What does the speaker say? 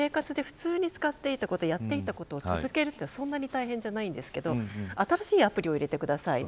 今まで生活で普通に使っていたやっていたことを続けるのはそんなに大変じゃないんですけど新しいアプリを入れてください。